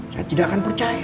saya tidak akan percaya